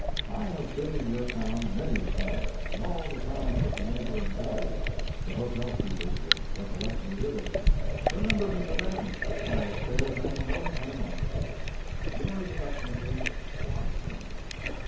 I have been in your town many a time, and all the towns of the neighboring counties—the hotel keepers will recollect me vividly. Remember me to them—I bear them no animosity. Yours, affectionately, MARK TWAIN.